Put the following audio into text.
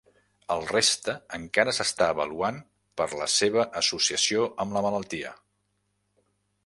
El reste encara s'està avaluant per la seva associació amb la malaltia.